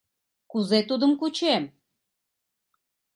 Кузе тудым кучем?